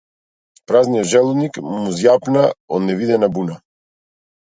Празниот желудник му зјапна од невидена буна.